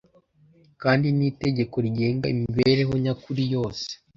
kandi ni itegeko rigenga imibereho nyakuri yose